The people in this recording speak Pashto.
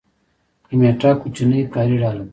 کمیټه کوچنۍ کاري ډله ده